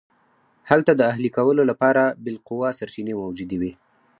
هلته د اهلي کولو لپاره بالقوه سرچینې موجودې وې